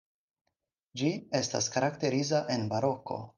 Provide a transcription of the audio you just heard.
Ĝi estas karakteriza en baroko.